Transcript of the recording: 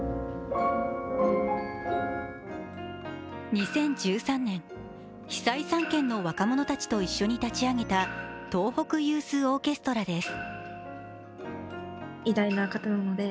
２０１３年、被災３県の若者たちと一緒に立ち上げた東北ユースオーケストラです。